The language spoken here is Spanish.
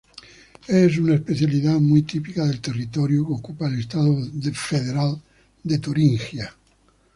Es una especialidad muy típica del territorio que ocupa el estado federal de Turingia.